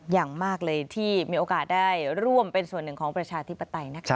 อย่างมากเลยที่มีโอกาสได้ร่วมเป็นส่วนหนึ่งของประชาธิปไตยนะคะ